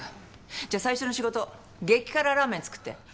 じゃあ最初の仕事激辛ラーメン作って。